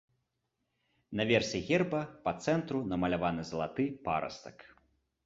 Наверсе герба па цэнтру намаляваны залаты парастак.